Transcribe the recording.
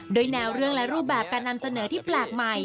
ด้วยแนวเรื่องและรูปแบบการนำเสนอที่แปลกใหม่